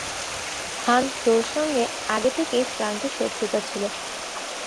হান চোর সঙ্গে আগে থেকেই ফ্রাঙ্কের শত্রুতা ছিল।